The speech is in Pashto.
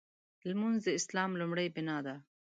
لمونځ د اسلام لومړۍ بناء ده.